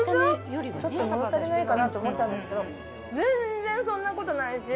ちょっと物足りないかなと思ったんですけど、全然そんなことないし。